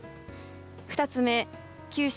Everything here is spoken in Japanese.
２つ目、九州